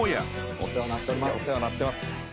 お世話になってます。